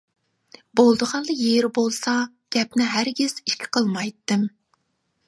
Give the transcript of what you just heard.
بولىدىغانلا يېرى بولسا گەپنى ھەرگىز ئىككى قىلمايتتىم.